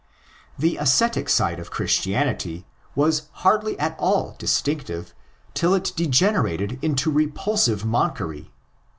The ascetic side of Christianity was hardly at all distinctive till it degenerated into repulsive monkery.